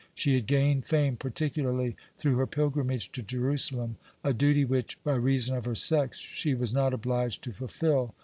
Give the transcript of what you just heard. She had gained fame particularly through her pilgrimage to Jerusalem, a duty which, by reason of her sex, she was not obliged to fulfil.